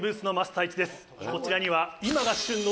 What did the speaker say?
こちらには。